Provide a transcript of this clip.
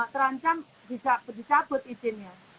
terancam bisa dicabut izinnya